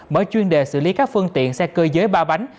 mở chuyên đề xử lý các phương tiện xe cơ giới ba bánh